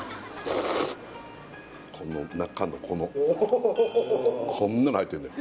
この中のこのこんなの入ってんだよ